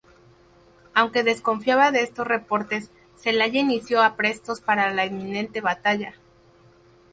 Aunque desconfiaba de estos reportes, Zelaya inicio aprestos para la inminente batalla.